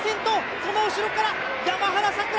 その後ろから山原さくら！